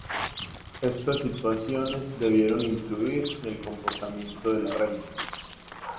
Estas situaciones debieron influir en el comportamiento de la Reina.